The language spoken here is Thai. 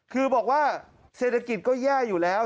คือบอกว่าเศรษฐกิจก็แย่อยู่แล้ว